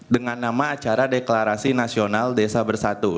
dengan nama acara deklarasi nasional desa bersatu